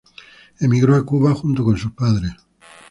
Emigró a Cuba junto con sus padres.